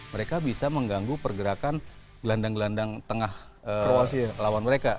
mereka bisa mengganggu pergerakan gelandang gelandang tengah lawan mereka